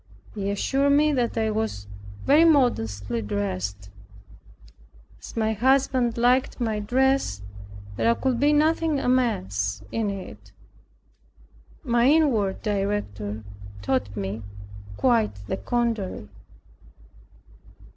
They assured me that I was very modestly dressed. As my husband liked my dress there could be nothing amiss in it. My inward Director taught me quite the contrary.